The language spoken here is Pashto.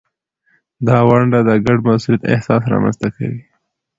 دا ونډه د ګډ مسؤلیت احساس رامینځته کوي.